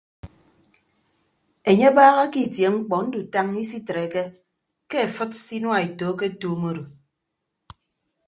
Enye abaaha ke itie mkpọ ndutañña isitreke ke afịd se inuaeto aketuum odo.